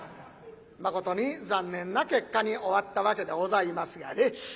誠に残念な結果に終わったわけでございますがね。